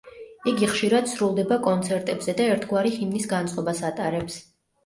იგი ხშირად სრულდება კონცერტებზე და ერთგვარი ჰიმნის განწყობას ატარებს.